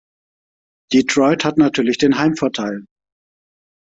Detroit hat natürlich den Heimvorteil.